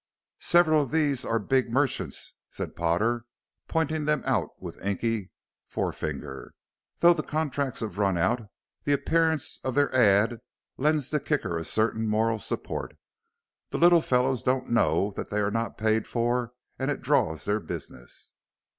"Several of these are big merchants," said Potter, pointing them out with inky forefinger; "though the contracts have run out the appearance of their ads lends the Kicker a certain moral support the little fellows don't know that they are not paid for and it draws their business."